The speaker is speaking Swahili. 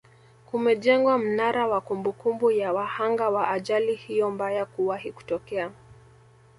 kumejengwa mnara wa kumbukumbu ya wahanga wa ajali hiyo mbaya kuwahi kutokea